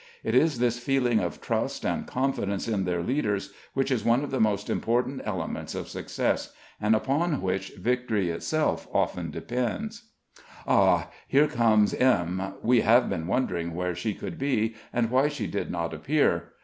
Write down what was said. It is this feeling of trust and confidence in their leaders which is one of the most important elements of success, and upon which victory itself often depends. Ah! here comes M. We have been wondering where she could be, and why she did not appear.